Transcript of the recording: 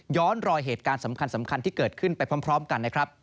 ย้อนรอยหุ้นเหตุการณ์สำคัญที่เกิดกันไปพร้อมกัน